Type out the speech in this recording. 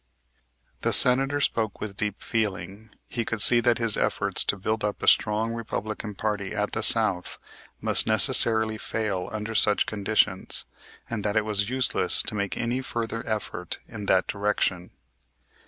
The Senator spoke with deep feeling. He could see that his efforts to build up a strong Republican party at the South must necessarily fail under such conditions, and that it was useless to make any further effort in that direction.